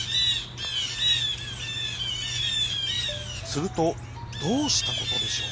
するとどうしたことでしょう。